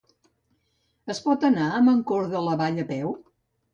Es pot anar a Mancor de la Vall a peu?